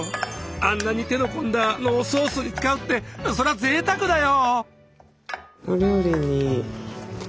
あんなに手の込んだのをソースに使うってそれはぜいたくだよ。